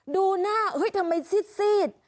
ดูหน้าเฮ้ยทำไมซีด